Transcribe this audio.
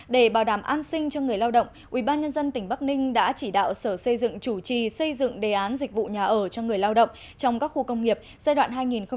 để bảo đảm an sinh cho người lao động ubnd tỉnh bắc ninh đã chỉ đạo sở xây dựng chủ trì xây dựng đề án dịch vụ nhà ở cho người lao động trong các khu công nghiệp giai đoạn hai nghìn một mươi sáu hai nghìn hai mươi